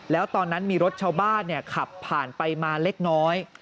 แล้วตอนนั้นมีรถชาวบ้านขับผ่านไปมาเล็กน้อย